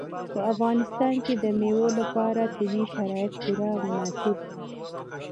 په افغانستان کې د مېوو لپاره طبیعي شرایط پوره مناسب دي.